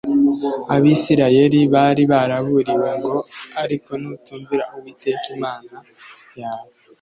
Abisirayeli bari baraburiwe ngo Ariko nutumvira Uwiteka Imana yawe